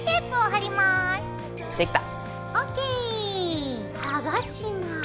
はがします。